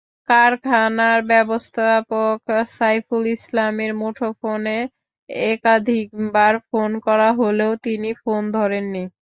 কারখানার ব্যবস্থাপক সাইফুল ইসলামের মুঠোফোনে একাধিকবার ফোন করা হলেও তিনি ফোন ধরেননি।